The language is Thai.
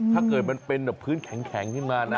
ถ้าเกิดมันเป็นพื้นแข็งบังมานะ